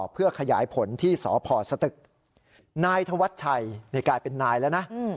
เพื่อขยายผลที่สพสตึกนายธวัชชัยนี่กลายเป็นนายแล้วนะ